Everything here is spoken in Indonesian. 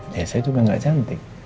ya saya juga gak cantik